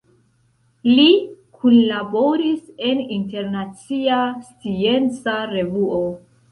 Li kunlaboris en Internacia Scienca Revuo.